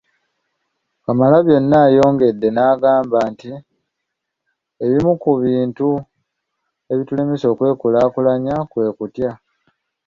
Kamalabyonna ayongedde nagamba nti “ebimu ku bintu ebitulemesa okwekulaakulanya kwe kutya.